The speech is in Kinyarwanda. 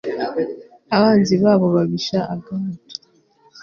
abanzi babo babisha agahato